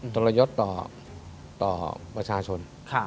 ทรยศต่อประชาชน